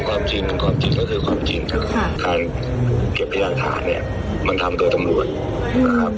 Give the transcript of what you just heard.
ทำไมไม่เอาเป็นใช้เวียบพยานในคดีเท่านั้น